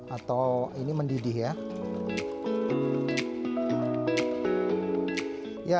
atau ini mendidih ya